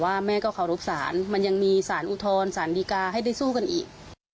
ว่าแม่ก็ขอรับศาลมันยังมีศาลอุทธรศาลดีกาให้ได้สู้กันอีก